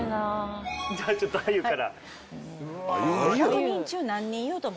じゃあちょっと鮎から。